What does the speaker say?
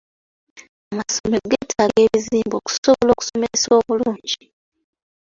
Amasomero geetaaga ebizimbe okusobola okusomesa obulungi.